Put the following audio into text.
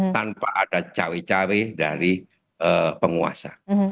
tanpa ada cawe cawe dari penguasa